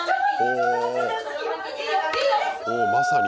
おまさに。